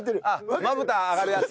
まぶた上がるやつ？